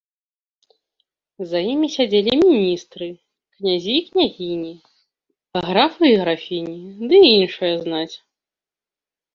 За імі сядзелі міністры, князі і княгіні, графы і графіні ды іншая знаць.